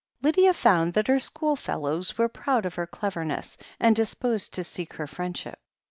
Lydia found that her schoolfellows were proud of her cleverness, and disposed to seek her friendship.